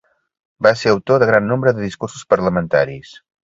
Va ser autor de gran nombre de discursos parlamentaris.